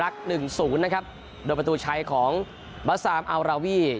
ดูประตูไฉของบาสามอัลลาวี